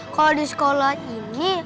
kalau di sekolah ini